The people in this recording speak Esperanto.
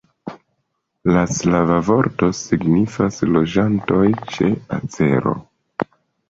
La slava vorto signifas: loĝantoj ĉe acero.